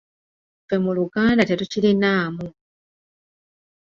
Ffe mu Luganda tetukirinaamu.